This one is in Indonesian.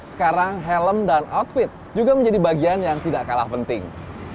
sekarang helm dan outfit juga menjadi bagian yang tidak kalah penting